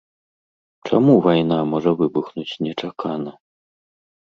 Чаму вайна можа выбухнуць нечакана?